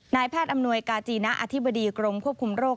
นายแพทย์อำนวยกาจีณะอธิบดีกรมควบคุมโรค